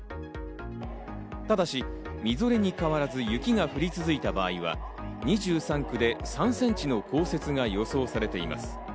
ただし、みぞれに変わらず、雪が降り続いた場合は、２３区で３センチの降雪が予想されています。